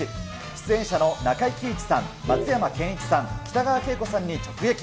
出演者の中井貴一さん、松山ケンイチさん、北川景子さんに直撃。